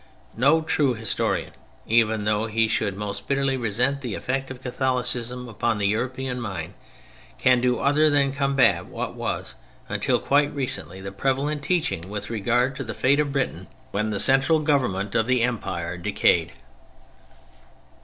No true historian, even though he should most bitterly resent the effect of Catholicism upon the European mind, can do other than combat what was, until quite recently, the prevalent teaching with regard to the fate of Britain when the central government of the Empire decayed.